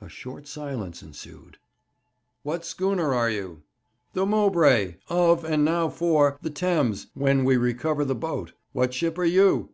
A short silence ensued. 'What schooner are you?' 'The Mowbray, of, and now for, the Thames, when we recover the boat. What ship are you?'